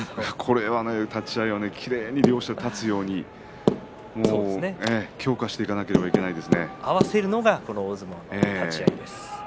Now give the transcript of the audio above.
立ち合いはきれいに両者立つように強化していかなければそうですね合わせるのがこの大相撲の立ち合いです。